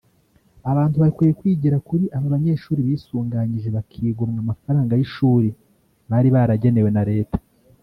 Abantu bakwiye kwigira kuri aba banyeshuri bisuganyije bakigomwa amafaranga y’ishuri bari baragenewe na Leta